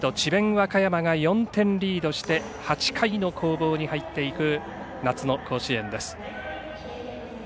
和歌山が４点リードして８回の攻防に入っていきます。